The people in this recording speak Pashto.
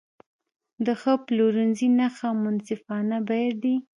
د ښه پلورنځي نښه منصفانه بیې دي.